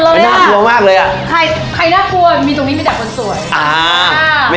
มาแล้วครับ